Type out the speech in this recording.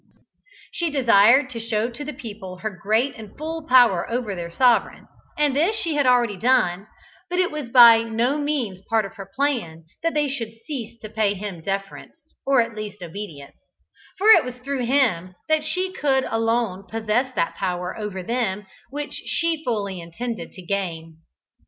She desired to show to the people her great and full power over their sovereign, and this she had already done; but it was by no means part of her plan that they should cease to pay him deference, or at least obedience, for it was through him that she could alone possess that power over them which she fully intended to gain.